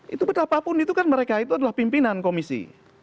itu betapapun itu kan mereka itu adalah pimpinan komisi